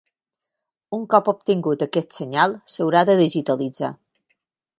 Un cop obtingut aquest senyal, s'haurà de digitalitzar.